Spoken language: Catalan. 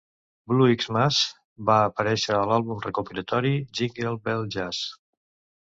"Blue Xmas" va aparèixer a l'àlbum recopilatori "Jingle Bell Jazz".